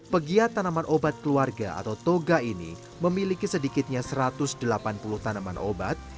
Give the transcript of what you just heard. pegiat tanaman obat keluarga atau toga ini memiliki sedikitnya satu ratus delapan puluh tanaman obat